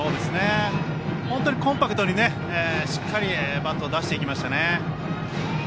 本当にコンパクトにしっかりバットを出していきました。